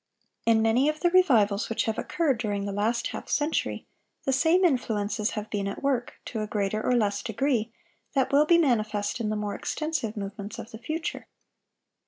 In many of the revivals which have occurred during the last half century, the same influences have been at work, to a greater or less degree, that will be manifest in the more extensive movements of the future.